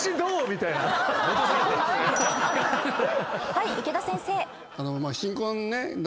はい池田先生。